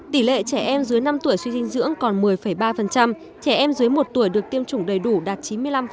tỷ lệ trẻ em dưới năm tuổi suy dinh dưỡng còn một mươi ba trẻ em dưới một tuổi được tiêm chủng đầy đủ đạt chín mươi năm